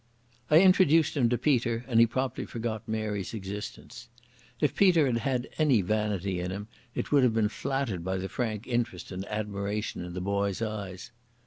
I introduced him to Peter and he promptly forgot Mary's existence. If Peter had had any vanity in him it would have been flattered by the frank interest and admiration in the boy's eyes.